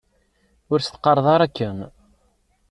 Ur s-teqqareḍ ara akken.